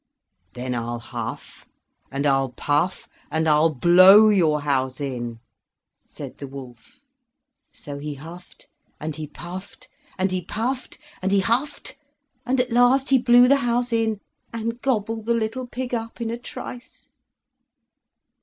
"Then I'll huff, and I'll puff, and I'll blow your house in!" said the wolf. So he huffed and he puffed, and he puffed, and he huffed, and at last he blew the house in, and gobbled the little pig up in a trice.